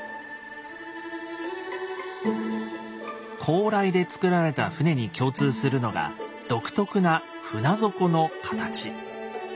高麗で造られた船に共通するのが独特な船底の形。